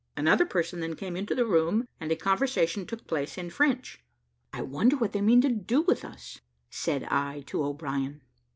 Another person then came into the room, and a conversation took place in French. "I wonder what they mean to do with us," said I to O'Brien.